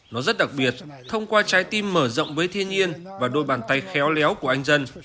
nó rất đặc biệt thông qua trái tim mở rộng với thiên nhiên và đôi bàn tay khéo léo của anh dân